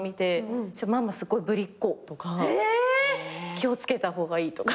「気を付けた方がいい」とか。